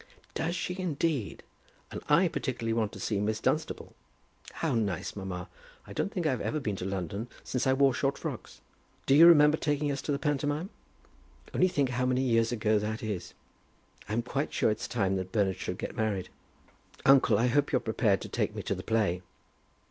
"Does she, indeed? And I particularly want to see Miss Dunstable. How nice! Mamma, I don't think I've ever been in London since I wore short frocks. Do you remember taking us to the pantomime? Only think how many years ago that is. I'm quite sure it's time that Bernard should get married. Uncle, I hope you're prepared to take me to the play."